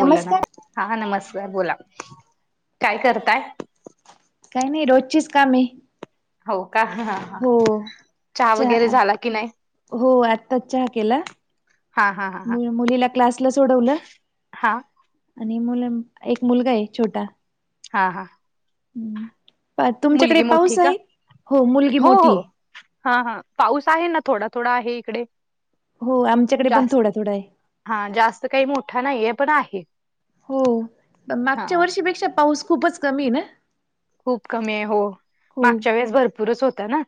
बोला ना नमस्कार हा नमस्कार बोला काय करताय. काही नाही रोजचीच का मी- हो का? हा हो चहा वगैरे चार झाला की नाही हो आत्ताच चहा केला. हा हा हा हा मुलीला क्लासला सोडवलं. हा आणि मुल एक मुलगा आहे छोटा हा हा प तुमच्याकडे मुलगी मोठी पाऊस का आहे हो मुलगी मोठी हा हा पाऊस आहे ना थोडा थोडा आहे इकडे हो आमच्याकडे पण जास्त थोडा थोडा आहे. हा जास्त काही मोठा नाहीये पण आहे. हो हा मागच्या वर्षीपेक्षा पाऊस खूपच कमी ना खूप कमी आहे हो हो मागच्या वेळेस भरपूरच होता ना.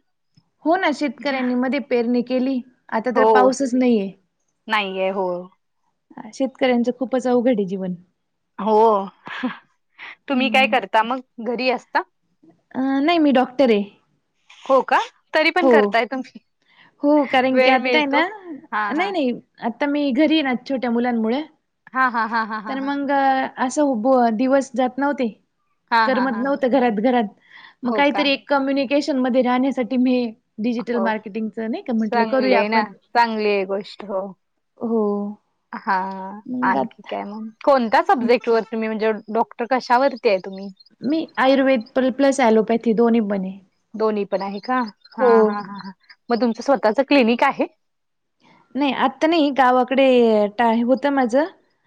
हो ना शेतकऱ्यांनी मध्ये पेरणी केली आता हो तर पाऊसच नाहीये. नाहीये हो. शेतकऱ्यांचं खूपच अवघड आहे जीवन हो तुम्ही काय हम्म. करता मग घरी असता. अ नाही मी डॉक्टर आहे. हो का? तरी हो. पण करताय तुम्ही हो कारण की वेळ आता हायना मिळतो हा नाही हा नाही. आता मी घरी आहे. ना छोट्या मुलांमुळे हा हा हा हा हा तर हा मग असं दिवस जात नव्हते. हा हा करमत हा नव्हतं घरात घरात मग हो का? काहीतरी कम्युनिकेशन मध्ये राहण्यासाठी मी डिजिटल हो मार्केटिंगचं नाही का म्हटलं करूया चांगलेय ना आपण. चांगली आहे गोष्ट हो. हो, हा मग आणखी आत काय मग कोणत्या सब्जेक्ट वरतीुमही म्हणजे डॉक्टर कशावरती आहे तुम्ही मी आयुर्वेद प प्लस ऍलोपॅथी दोन्ही बने. दोन्ही पण आहे का हा हा हा हा म तुमचं स्वतःच क्लिनिक आहे. नय आत्ता नाही गावाकडे. टाय हुतं माझं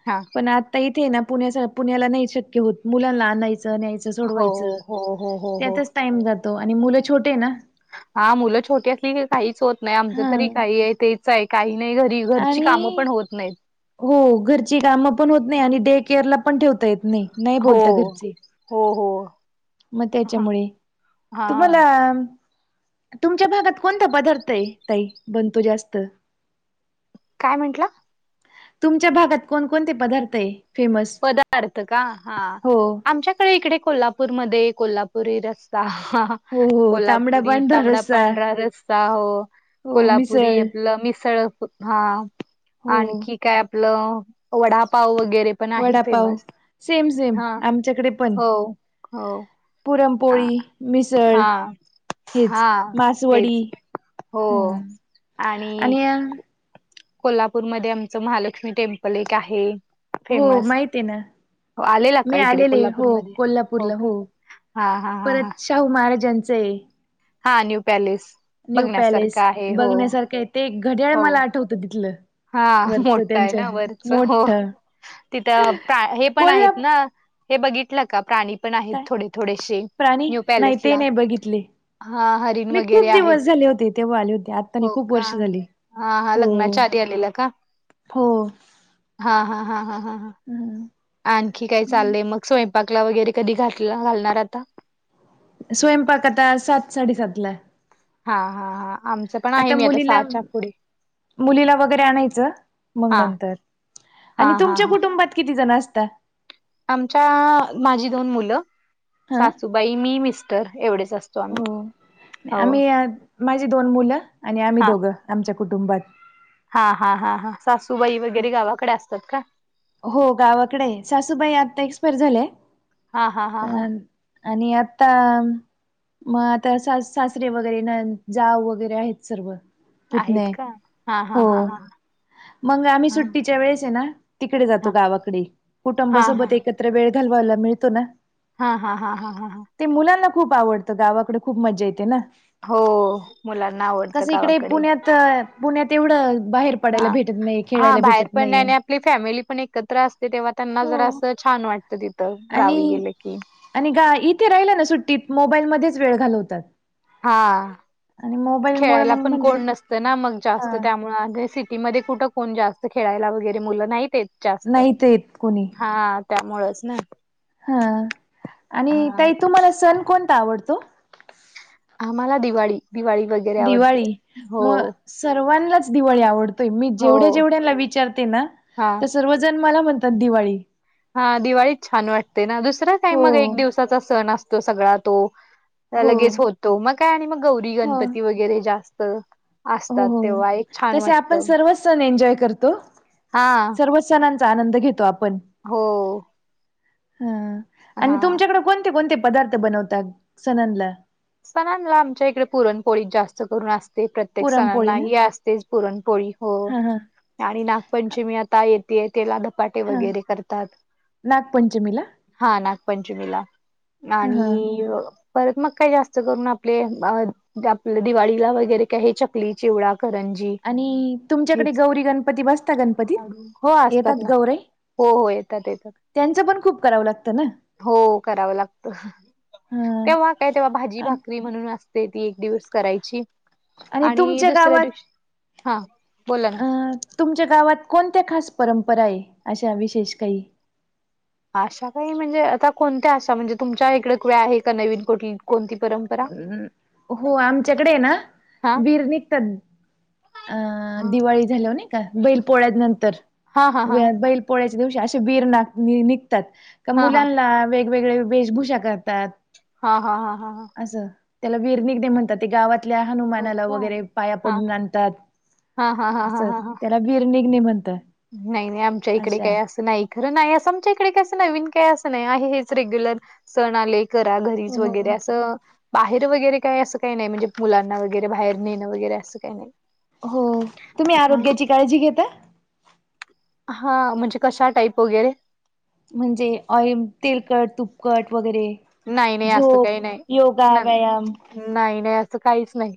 हा पण आता इथे ना पुण्याचा पुण्याला नाही शक्य होत मुलांना आणायचं न्यायचं. हो, सोडवायच हो, हो, हो, हो. त्यातच टाइम जातो. आणि मुलं छोटे आहे ना. हा मुलं छोटी असली की काहीच होत नाही. आमचं हा तरी काही आहे तेच आहे काही नाही घरी. घरची आणि कामं पण होत नाहीत. हो घरची कामं पण होत नाही आणि डे केअर ला पण ठेवता येत नाही. नाही हो. बोलता घरचे. हो, हो. म हां, त्याच्यामुळे हां. तुम्हाला. तुमच्या भागात कोणता पदार्थ आहे. ताई बनतो जास्त काय म्हंटला. तुमच्या भागात कोण, कोणते पदार्थ आहे? फेमस पदार्थ का हा हो आमच्यात आमच्या इकडे कोल्हापूर मध्ये कोल्हापूरी रस्सा हो हो तांबडा कोल्हापुरी पांढरा तांबडा, रस्सा पांढरा रस्सा हो. हो कोल्हापुरी मिसळ आपलं मिसळ हा, हो आणखी काय आपलं वडापाव वगैरे पण आहे वडापाव फेमस सेम सेम हा, आमच्याकडे पण हो, हो. अ, पुरणपोळी मिसळ हा, हेच हा मासवडी हेच. हो हम्म आणि कोल्हापूर मध्ये आमचं महालक्ष्मी टेम्पल एक आहे. हो फेमस माहित हायना. आलेला का मी इकडे आलेले हो कोल्हापूरमध्ये कोल्हापूरला का हो हा हा हा हा परत शाहू महाराजांचय हा न्यू पॅलेस. न्यू बघण्यासारखं पॅलेस आहे हो बघण्यासारखं आहे ते घड्याळ हो मला आठवत तिथलं. हा वरच मोठं हाय त्यांच्या ना वरच हो मोठ तिथं प्रा हे पण कोल्हा आहेत ना हे बघितलं का प्राणी पण आहेत काय थोडे, थोडेसे प्राणी न्यू नाही ते पॅलेसला? नाही बघितले हा हरिण मी वगैरे खूप आहेत. दिवस झाले होते तेव्हा आले होते आता नाही हो खूप का. वर्ष झाली हा, हा हो लग्नाच्या आधी आलेला का हो हा, हा, हा, हा, हा. हम्म. आणखी काय चाललंय मग स्वयंपाकला वगैरे कधी घातला घालणार आता? स्वयंपाक आता सात साडेसातला. हा, हा, हा आमचं पण आहे. मी आता मुलीला सहाच्या पुढे. मुलीला वगैरे आणायच मग हा नंतर. हा आणि हा तुमच्या हा कुटुंबात किती जण असता? आमच्या माझी दोन मुलं, हा सासूबाई, मी, मिस्टर एवढेच असत. हो आम्ही माझी दोन मुलं आणि आम्ही हा दोघं आमच्या कुटुंबात. हा, हा, हा, हा सासूबाई वगैरे गावाकडे असतात का? हो गावाकडे सासूबाई आता एक्सपायर झालंय हा हा हा हा अ आणि आता मग आता सासरे वगैरे नन जाव वगैरे आहेत सर्व. पुतणे आहेत का? हा हा हो हा हा मग आम्ही हा सुट्टीच्या वेळेस हेना तिकडे हा जातो गावाकडे हा हा कुटुंबासोबत एकत्र वेळ घालवायला मिळतोना. हा, हा, हा, हा, हा. ते मुलांना खूप आवडतं गावाकड खूप मज्जा येतेना. हो मुलांना आवडत गावाकडे. तर पुण्यात एवढं बाहेर हा पडायला भेटत नाही, हा खेळायला बाहेर भेटत पण आणि नाही. आपली फॅमिली पण एकत्र असते तेव्हा त्यांना हो. जरा असं छान वाटतं तिथं आणि गावी गेलकी. आणि ग इथे राहिला ना सुट्टीत मोबाईल मध्येच वेळ घालवतात. हा.. आणि मोबाईल मुळ खेळायला मग पण म्हंटलं कोण नसतं ना मग हा जास्त त्यामुळे सिटीमध्ये कुठ कोण जास्त खेळायला वगैरे मुलं नाहीत येत. जास्त नाहीत येत कोणी. हा त्यामुळेचना. हा आणि ताई तुम्हाला सण कोणता आवडतो? आम्हाला दिवाळी, दिवाळी वगैर दिवाळी म.. सर्वांनाच दिवाळी आवडतोय मी हो. जेवढ्या, जेवढ्यांना विचारतेना हां, सर्वजण मला म्हणतात दिवाळी. हा दिवाळी छान वाटते ना दुसरा काय हो मग एक दिवसाचा सण असतो सगळा तो. हा हो लगेच होतो म काय आणि मग गौरी हो. गणपती वगैरे जास्त असतात तेव्हा एक छान वाटतं. सणं एन्जॉय करतो. हा सर्व सणांचा आनंद घेतो आपण हं आणि हां. तुमच्याकड कोणते कोणते पदार्थ बनवतात संणांना संणांना आमच्या इकडे पुरणपोळीत जास्त करून अस ते प्रत्येक पुरणपोळी सणांना ना ही असतेच पुरणपोळी हो हा हा आणि नागपंचमी आता येत ते तेला धपाटे हा वगैरे करतात. नागपंचमीला हा नागपंचमीला हा हा आणि परत मग काय जास् त करुन आपले आप दिवाळीला वगैरे काय हे चकली चिवडा करंजी आणि तुमच्याकडे हेच गौरी गणपती बसता गणपतीत हो असतात येतात ना गौरे हो हो येतात येतात त्यांचं पण खूप करावं लागतं ना -हो करावं लागतं. हा तेव्हा काय तेव्हा भाजी आणि भाकरी म्हणून असते ती एक दिवस करायची. आणि तुमच्या दुसऱ्या गावात दिवशी हा बोला ना अ तुमच्या गावात कोणत्या खास परंपराये अशा विशेष काही अशा काही म्हणजे आता कोणत्या आशा म्हणजे तुमच्या इकडे क्या आहे का नवीन कोठली कोणती परंमं हम् हो आमच्याकडे ये ना हा वीर निघतात अ हा दिवाळी झाल्यावर नाही का बैल पोळ्या नंतर हा हा व हा बैल पोळ्याच्या दिवशी असे वीर ना निघतात का हा हा मुलांना वेगवेगळे वेशभूषा करतात. हा हा हा हा हा असं त्याला विरनिगणे म्हणतात ते गावात तिथल्या हो हनुमानाला का वगैरे पाया हा पडून आणतात हा हा हा अस त्याला वीर निघने म्हणता. नाय नाय आमच्या इकडे काय असं नाही. खरं नाय असं आमच्या इकडे काय असं नवीन काय असं नाय आहे हेच रेग्युलर सण आले. करा घरीच हो वगैरे असं बाहेर वगैरे काय असं काय नाय म्हणजे मुलांना वगैरे बाहेर नेणं वगैरे असं काय नाय. हो तुम्ही आरोग्याची काळजी घेता. हा म्हणजे कशा टाईप वगैरे म्हणजे ऑइल तेलकट तुपकट वगैरे नाही नाही झो असं काही नाही. योगा, ना- व्यायाम नाही नाही असं काहीच नाही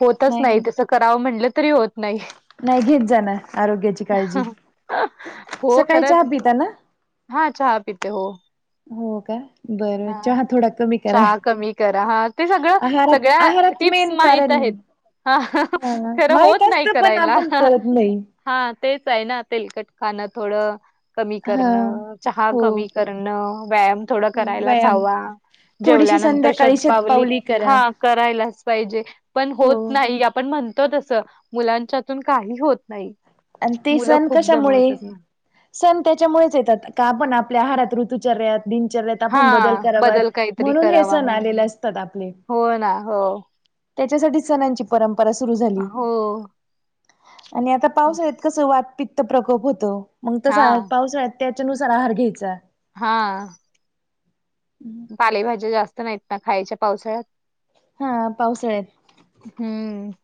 होतच नाही तसं करावं म्हटलं तरी होत नाही. नाही घेत जाणार आरोग्याची काळजी हो सकाळी चहा खरंत नं पिता ना हा चहा पीत हो हो काय बर हा. चहा थोडा कमी करा चहा कमी करा हा ते सगळं आहारात सगळ्या आहारात टिप्स मेन माहित कारण आहेत. हा ना ना खरं माहित होत नाही असत पण करायला. आपण करत नाही. हा तेच हाय ना तेलकट खाणं थोडं कमी हा. करणं चहा हो कमी कर न व्यायाम थोड करायलाच व्यायाम हवा थोडीशी जेवल्यानंतर संध्याकाळी शतपावली करा. हा करायलाच पाहिजे पण हो. होत नाही आपण म्हण तो तस मुलांच्यातून काही होत नाही. आणि ते मुलं सण खूप कशामुळे दमवतात ना सण त्याच्यामुळेच येतात का आपण आपल्या आहारात ऋतुचर्यात दिनचर्यात हा आपुण बदल करावात बदल काहीतरी म्हणून हे करावा सण म्हणून आलेले असतात आपले. हो ना हो त्याच्यासाठी सणांची परंपरा सुरु झाली हो आणि आता पावसाळ्यात कसं वातपित्त प्रकोप होतो मग हा तसा पावसाळ्यात त्याच्यानुसार आहार घ्यायचा. हा पालेभाज्या जास्त नाहीत ना खायच्या पावसाळ्यात हा पावसाळ्यात हम्म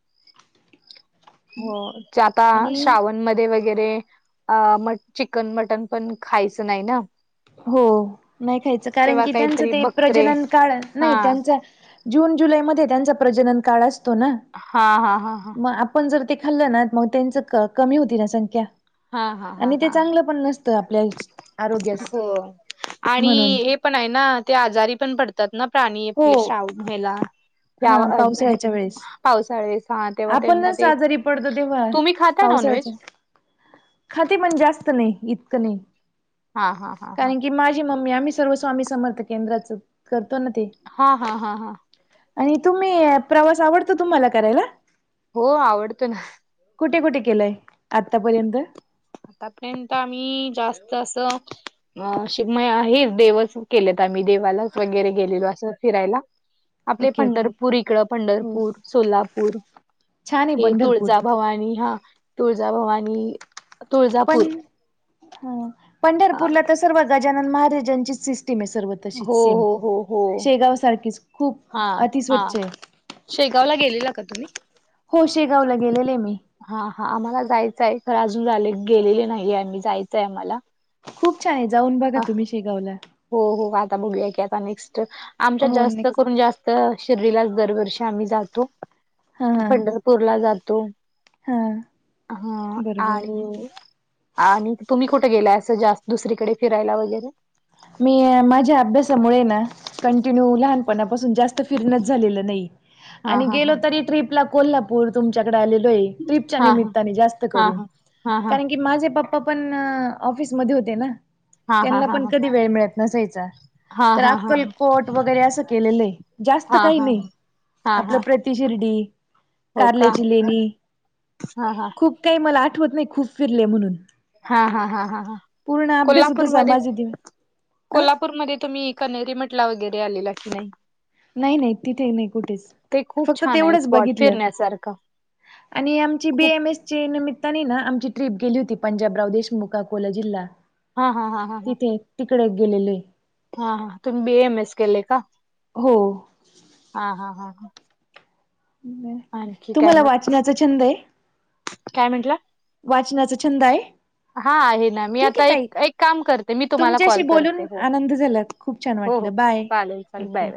हो च्याता आणि श्रावण मध्ये वगैरे अ म चिकन मटन पण खायचं नाही ना हो नाही खायचं कारण तेव्हा की त्यांचं काहीतरी ते बकरे प्रजनन काळ हा नाही त्यांच जून जुलै मध्ये त्यांचा प्रजनन काळ असतो ना हा हा हा हा मग आपण जर ते खाल्लं ना मग त्यांच क कमी होती ना संख्या हा हा हा आणि ते हा चांगलं पण नसतं आपल्या आरोग्यास हो. म्हणून आणि हे पण आहे ना ते आजारी पण पडतात ना प्राणी हो अपले श्राव मला या हा पावसाळ्याच्या वेळेस पावसाळे [unintelligible] आपणच आजरी पडतो तेव्हा तुम्ही खाता नॉनव्हेज? पावसाळ्याचे खाती म्हण जास्त नाही इतकं नाही हा हा हा हा कारण की माझी मम्मी आम्ही सर्व स्वामी समर्थ केंद्राच करतो ना ते हा हा हा हा आणि तुम्ही प्रवास आवडतो तुम्हाला करायला हो आवडतो ना कुठे कुठे केलंय आतापर्यंत तापर्यंत आम्ही जास्त असं [unintelligible] आहे देवच केलेत आम्ही देवाला वगैरे गेलेलो असं फिरायला आपले ओके ओके पंढरपूर इकडं हो पंढरपूर सोलापूर छान आहे हे पंढरपूर तुळजाभवानी हा तुळजाभवानी प तुळजापूर ह हा पंढरपूरला तस सर्व गजानन महाराजांची सिस्टीम आहे सर्व तशीच हो सेम हो हो हो शेगाव सारखीच खूप हा हा अतिस्वच्छ आहे शेगावला गेलेला का तुम्ही होशेगावला गेलेले मी हा हा आम्हाला जायचं आहे खरं अजून झाले गेलेले नाहीे आम्ही जायचय आम्हाला खूप छान आहे जाऊन बघा अ तुम्ही शेगावला हो हो, आता बघूया की आता नेक्स्ट आमच्यात हो जास्त नेक्स्ट करून जास्त तर शिर्डीलाच दरवर्षी आम्ही जातो, हा हा पंढरपूरला जातो. हा हा बरोबर आणि आणि तुम्ही कुठं गेलाय असं जास्त दुसरीकडे फिरायला वगैरे? मी माझ्या अभ्यासामुळे ना कंटिन्यू लहानपणापासून जास्त फिरणच झालेलं नाही हा आणि हा हा गेलो तरी ट्रीपला कोल्हापूर तुमच्याकड आलेलो आहे ट्रिपच्या हा हा निमित्ताने जास्त हा करून हा. हा हा हा कारण कि माझे पप्पा पण ऑफिसमध्ये होते न हा हा हा ह कधी वेळ मिळत नसायचा तर हा अक्कलकोट वगैरे असं केलेलं आहे जास्त हा काही हा नाही. हा हा. ती शिर्डी, हो का कारल्याची लेणी हा हा खूप काही मला आठवत नाही खूप फिरले म्हणून. हा हा हा हा. पूर्ण अभ्यास होत कोल्हापूरमध्ये? माझे दिवस अ कोल्हापूरमध्ये तुम्ही कनेरी मठला वगैरे आलेला की नाही? नाही नाही तिथे नाही कुठेच ते खूप फक्त छान आहे तेवढंच स्पॉट बघितलं फिरण्यासारखं. आणि आमची बी एम एस च्या निमित्ताने ना, आमची ट्रिप गेली होती पंजाबराव देशमुख अकोला जिल्हा. हा हा हा हा हा तिथे, तिकडे गेलेले. हा हा, तुम्ही बी ए एम एस केलंय का? हो. हा हा हा हा. हम, आणखी काय तुम्हाला मग वाचनाचा छंद आहे? काय म्हंटला? वाचनाचा छंद आहे? हा आहे ना मी ठीक आहे आता ताई, एक एक काम करते मी तुम्हाला तुमच्याशी कॉल करते बोलून हो आनंद झाला. खूप छान हो हो वाटलं, बाय, चालेल चालेल बाय ओके. बाय.